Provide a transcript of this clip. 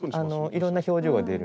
いろんな表情が出るんで。